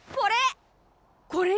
これ！